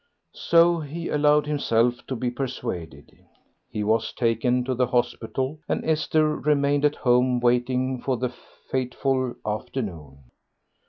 So he allowed himself to be persuaded; he was taken to the hospital, and Esther remained at home waiting for the fateful afternoon.